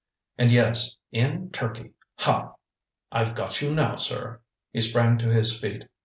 and, yes! in Turkey! Ha! I've got you now sir! ŌĆØ He sprang to his feet.